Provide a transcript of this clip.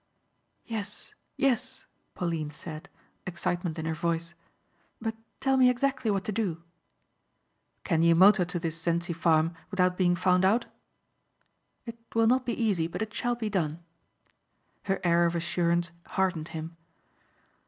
"Yes, yes," Pauline said, excitement in her voice, "but tell me exactly what to do." "Can you motor to this Zencsi farm without being found out?" "It will not be easy but it shall be done." Her air of assurance heartened him.